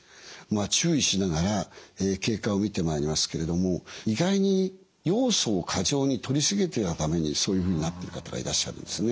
注意しながら経過を見てまいりますけれども意外にヨウ素を過剰にとり過ぎてたためにそういうふうになってる方がいらっしゃるんですね。